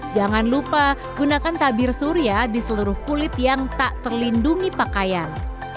jangan lupa gunakan tabir surya di seluruh kulit yang tak terlindungi pakaian